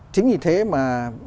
chính vì thế mà